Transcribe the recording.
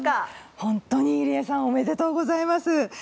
本当に入江さんおめでとうございます。